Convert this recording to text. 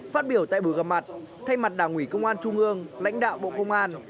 phát biểu tại buổi gặp mặt thay mặt đảng ủy công an trung ương lãnh đạo bộ công an